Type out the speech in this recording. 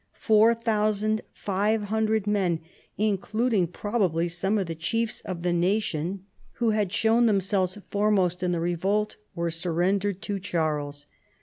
Four thousand five hundred men (including probably some of the chiefs of the nation) who had shown 154 CHARLEMAGNE. themselves foremost in the revolt were surrendered to Charles.